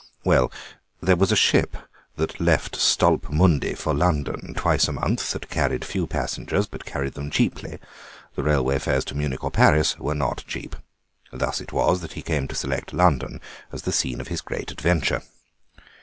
Well, there was a ship that left Stolpmünde for London twice a month, that carried few passengers, but carried them cheaply; the railway fares to Munich or Paris were not cheap. Thus it was that he came to select London as the scene of his great adventure.